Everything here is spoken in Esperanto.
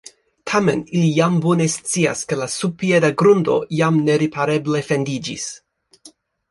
Tamen ili jam bone scias, ke la subpieda grundo jam neripareble fendiĝis.